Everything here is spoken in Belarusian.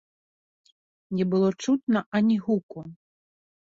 Не было чутно ані гуку.